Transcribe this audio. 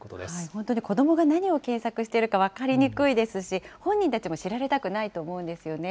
本当に子どもが何を検索しているか分かりにくいですし、本人たちも知られたくないと思うんですよね。